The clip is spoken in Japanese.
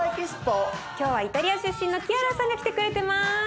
今日はイタリア出身のキアラさんが来てくれてます。